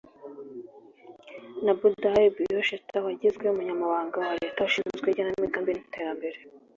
na Abdoulaye Bio-Tchane wagizwe Umunyamabanga wa Leta ushinzwe igenamigambi n’iterambere